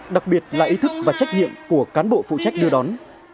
đặc biệt là ý thức và trách nhiệm của cán bộ phụ trách đưa đón